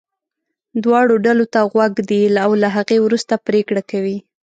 دواړو ډلو ته غوږ ږدي او له هغې وروسته پرېکړه کوي.